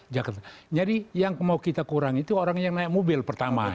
jadi yang mau kita kurangi itu orang yang naik mobil pertama ya